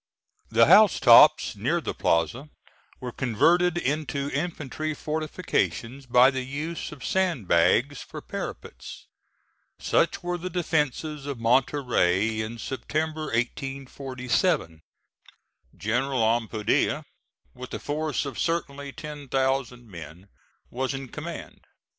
The house tops near the plaza were converted into infantry fortifications by the use of sand bags for parapets. Such were the defences of Monterey in September, 1847. General Ampudia, with a force of certainly ten thousand men, was in command.